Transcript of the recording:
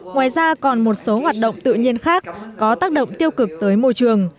ngoài ra còn một số hoạt động tự nhiên khác có tác động tiêu cực tới môi trường